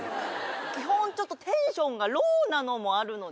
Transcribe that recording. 基本ちょっとテンションがローなのもあるのでね